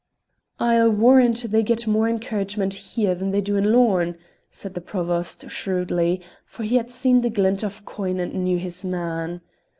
"I'll warrant they get more encouragement here than they do in Lorn," said the Provost, shrewdly, for he had seen the glint of coin and knew his man.